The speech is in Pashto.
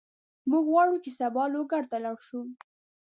موږ غواړو چې سبا لوګر ته لاړ شو.